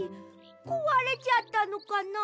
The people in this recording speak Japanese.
こわれちゃったのかな？